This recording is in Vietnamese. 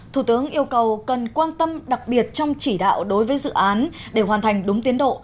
thủ tướng yêu cầu cần quan tâm đặc biệt trong chỉ đạo đối với dự án để hoàn thành đúng tiến độ